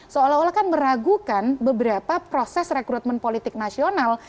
seolah olah kan meragukan beberapa proses rekrutmen politik nasional